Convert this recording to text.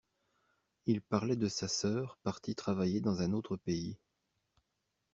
Il parlait de sa sœur partie travailler dans un autre pays.